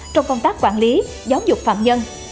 trong công tác quản lý giáo dục phạm nhân